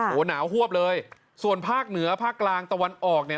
โหหนาวหวบเลยส่วนภาคเหนือภาคกลางตะวันออก